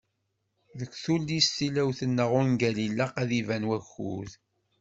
Deg tullist tilawt neɣ ungal ilaq ad iban wakud.